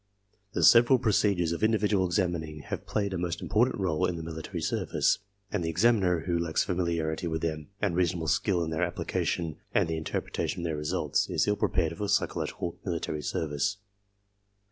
The several procedures of individual examining have played a most important r61e in the military service, and the examiner who lacks familiarity with them and reasonable skill in their application and the mterpretation of their results is ill prepared for psychological military service.